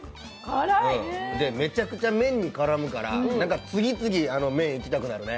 めちゃくちゃ麺に絡むから次々麺いきたくなるね。